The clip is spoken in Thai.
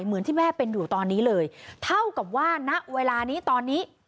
เหมือนที่แม่เป็นอยู่ตอนนี้เลยเท่ากับว่าณเวลานี้ตอนนี้